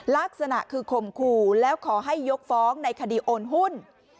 ลักษณะคือข่มขู่แล้วขอให้ยกฟ้องในคดีโอนหุ้น